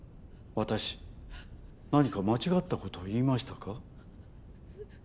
私何か間違ったことを言いましたか？